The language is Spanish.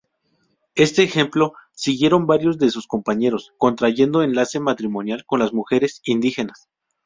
Este ejemplo siguieron varios de sus compañeros, contrayendo enlace matrimonial con las mujeres indígenas.